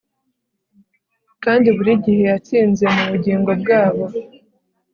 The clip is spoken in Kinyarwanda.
kandi burigihe yatsinze mubugingo bwabo